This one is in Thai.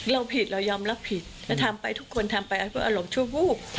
เราผิดเรายอมรับผิดทำไปทุกคนทำไปอารมณ์ชั่วโภค